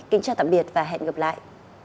kính chào tạm biệt và hẹn gặp lại